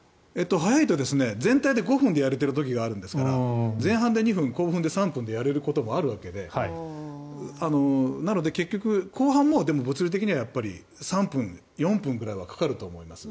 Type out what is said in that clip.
速いと全体で５分でやれている時があるんですから前半で２分、後半で３分でやれることもあるわけでなので、結局後半も物理的には３分、４分はかかると思います。